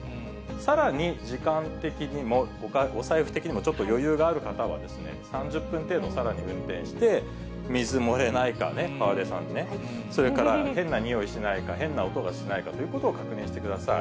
さらに時間的にもお財布的にもちょっと余裕がある方は、３０分程度、さらに運転して、水漏れないか、ね、河出さんね、それから、変な臭いしないか、変な音がしないかということを確認してください。